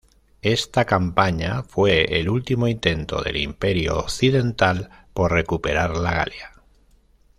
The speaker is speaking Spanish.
Esta campaña fue el último intento del Imperio occidental por recuperar la Galia.